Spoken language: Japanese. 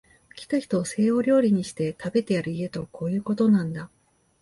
来た人を西洋料理にして、食べてやる家とこういうことなんだ